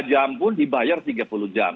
dua puluh lima jam pun dibayar tiga puluh jam